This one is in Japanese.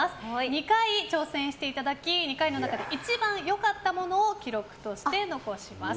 ２回挑戦していただき２回の中で一番良かったものを記録として残します。